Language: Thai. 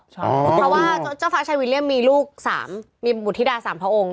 เพราะว่าเจ้าฟ้าชายวิลเลี่ยมมีลูก๓มีบุธิดา๓พระองค์